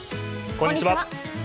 こんにちは。